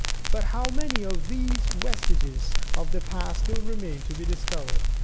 But how many of these vestiges of the past still remain to be discovered!